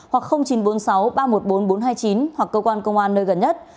hoặc chín trăm bốn mươi sáu ba trăm một mươi bốn nghìn bốn trăm hai mươi chín hoặc cơ quan công an nơi gần nhất